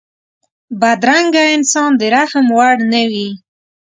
بدرنګه انسان د رحم وړ نه وي